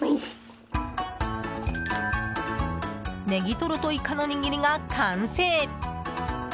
ネギトロとイカの握りが完成。